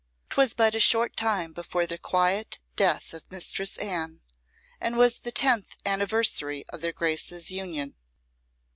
'Twas but a short time before the quiet death of Mistress Anne, and was the tenth anniversary of their Graces' union.